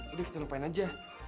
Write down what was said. udah kita lupain aja